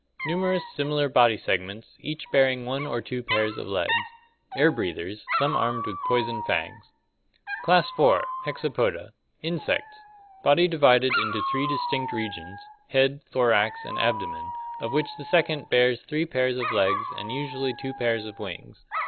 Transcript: Numerous similar body segments, each bear ing one or two pairs of legs. Air breathers, some armed with poison fangs. Class IV. Hexapoda (Gr. c£, six, and irovs, foot). Insecta (Lat. inseclus, cut up). Insects. Body divided into three distinct regions: head, thorax, and abdomen, of which the second bears three pairs of legs and usually two pairs of wings.